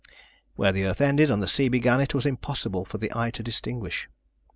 Where the earth ended and the sea began it was impossible for the eye to distinguish.